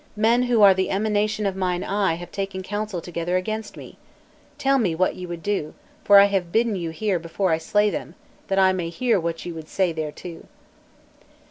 men who are the emanation of mine eye have taken counsel together against me! Tell me what ye would do, for I have bidden you here before I slay them, that I may hear what ye would say thereto."